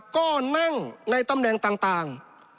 ก็นั่งในตำแหน่งต่าง